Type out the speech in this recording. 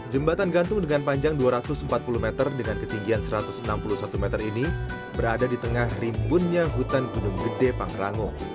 jembatan gantung dengan panjang dua ratus empat puluh meter dengan ketinggian satu ratus enam puluh satu meter ini berada di tengah rimbunnya hutan gunung gede pangrango